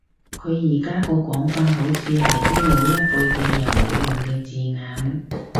佢而家個講法好似係啲老一輩嘅人會用嘅字眼